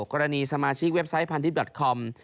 กรณีสมาชิกเว็บไซต์พันธิตอทคอม